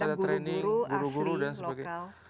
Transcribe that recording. harus ada training guru guru dan sebagainya